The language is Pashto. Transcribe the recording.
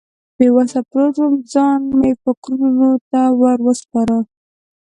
بې وسه پروت وم، ځان مې فکرونو ته ور وسپاره.